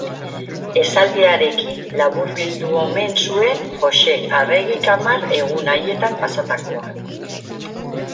Esaldiarekin laburbildu omen zuen Joxe Arregik hamar egun haietan pasatakoa.